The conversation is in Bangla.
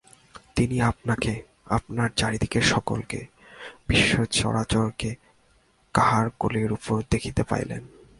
তিনি আপনাকে, আপনার চারি দিকের সকলকে, বিশ্বচরাচরকে কাহার কোলের উপর দেখিতে পাইলেন।